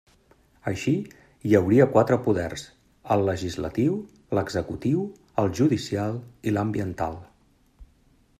Així, hi hauria quatre poders: el legislatiu, l'executiu, el judicial i l'ambiental.